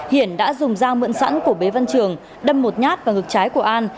hiển đã dùng dao mận sẵn của bế văn trường đâm một nhát vào ngực trái của an